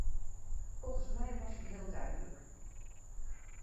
Volgens mij was ik heel duidelijk.